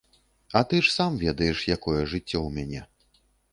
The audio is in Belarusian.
А ты ж сам ведаеш, якое жыццё ў мяне.